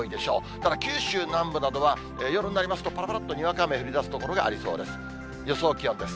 ただ九州南部などは、夜になりますと、ぱらぱらっとにわか雨、降りだす所がありそうです。